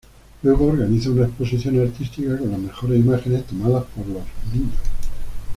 Luego organiza una exposición artística con las mejores imágenes tomadas por los niños.